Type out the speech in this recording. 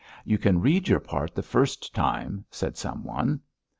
"You can read your part, the first time," said some one.